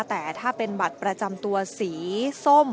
แต่ถ้าเป็นบัตรประจำตัวสีส้ม